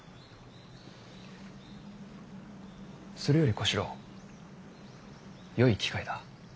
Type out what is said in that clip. それより小四郎よい機会だ。